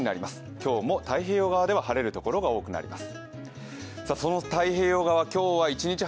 今日も太平洋側では晴れるところが多くなります。